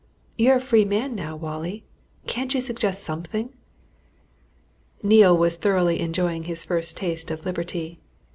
You're a free man now, Wallie can't you suggest something?" Neale was thoroughly enjoying his first taste of liberty.